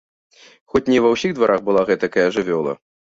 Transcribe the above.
Хоць не ва ўсіх дварах была гэтакая жывёла!